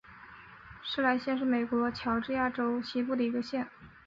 施莱县是美国乔治亚州西部的一个县。